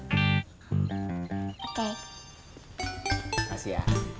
terima kasih ya